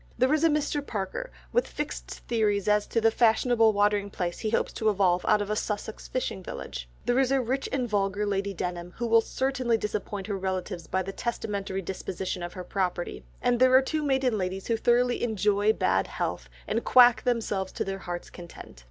There is a Mr. Parker with fixed theories as to the fashionable watering place he hopes to evolve out of a Sussex fishing village; there is a rich and vulgar Lady Denham, who will certainly disappoint her relatives by the testamentary disposition of her property, and there are two maiden ladies who thoroughly 'enjoy' bad health, and quack themselves to their heart's content.